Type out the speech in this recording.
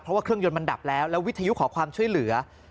เพราะว่าเครื่องยนต์มันดับแล้วแล้ววิทยุขอความช่วยเหลือ